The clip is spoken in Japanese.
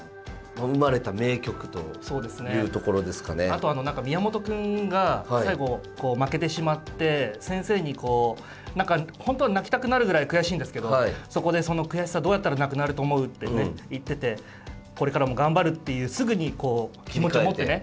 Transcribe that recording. あと何か宮本くんが最後こう負けてしまって先生にこう何か本当は泣きたくなるぐらい悔しいんですけどそこで「その悔しさどうやったらなくなると思う？」って言っててこれからも頑張るっていうすぐにこう気持ち持ってね。